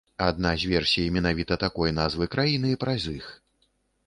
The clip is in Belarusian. Адна з версій менавіта такой назвы краіны праз іх.